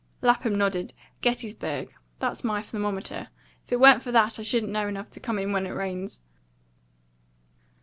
Lapham nodded. "Gettysburg. That's my thermometer. If it wa'n't for that, I shouldn't know enough to come in when it rains."